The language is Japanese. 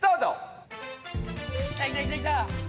きたきたきたきた！